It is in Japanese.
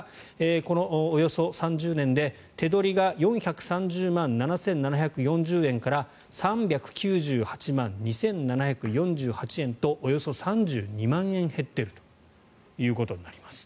このおよそ３０年で手取りが４３０万７７４０円から３９８万２７４８円とおよそ３２万円減ってるということになります。